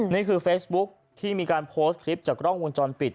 นี่คือเฟซบุ๊คที่มีการโพสต์คลิปจากกล้องวงจรปิด